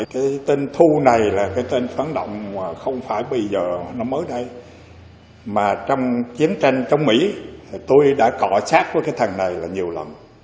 thì cái tên thu này là cái tên phản động mà không phải bây giờ nó mới đây mà trong chiến tranh trong mỹ tôi đã cọ sát với cái thằng này là nhiều lần